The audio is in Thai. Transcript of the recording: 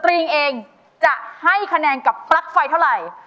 ริงเองจะให้คะแนนกับปลั๊กไฟเท่าไหร่